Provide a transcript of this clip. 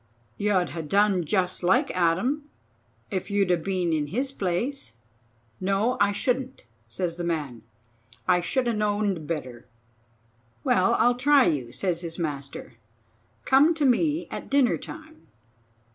You'd ha' done just like Adam, if you'd a been in his place." "No, I shouldn't," says the man. "I should ha' know'd better." "Well, I'll try you," says his master. "Come to me at dinner time."